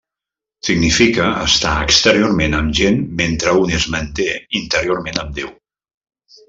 Significa estar exteriorment amb gent mentre un es manté interiorment amb Déu.